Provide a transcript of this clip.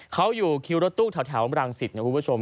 เขาอยู่คิวรถตู้แถวบรังสิตนะคุณผู้ชม